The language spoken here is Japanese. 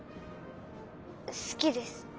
好きです。